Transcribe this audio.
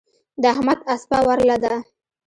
د احمد اسپه ورله ده.